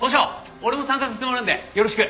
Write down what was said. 俺も参加させてもらうんでよろしく。